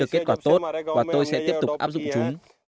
kết quả tốt và tôi sẽ tiếp tục áp dụng chúng